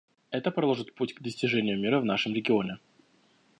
Это проложит путь к достижению мира в нашем регионе.